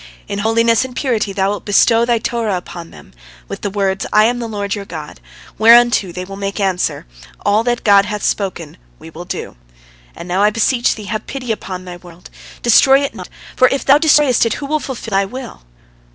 In holiness and purity Thou wilt bestow Thy Torah upon them, with the words, 'I am the Lord your God,' whereunto they will make answer, 'All that God hath spoken we will do.' And now I beseech Thee, have pity upon Thy world, destroy it not, for if Thou destroyest it, who will fulfil Thy will?"